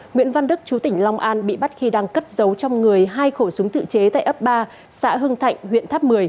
nguyễn văn đức chú tỉnh long an bị bắt khi đang cất giấu trong người hai khẩu súng tự chế tại ấp ba xã hưng thạnh huyện tháp một mươi